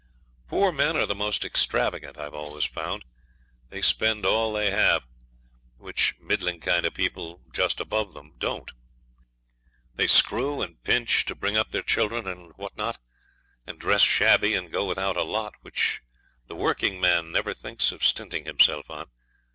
Poor men are the most extravagant, I've always found. They spend all they have, which middling kind of people just above them don't. They screw and pinch to bring up their children, and what not; and dress shabby and go without a lot which the working man never thinks of stinting himself in.